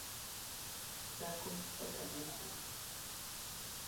Dhako otame rito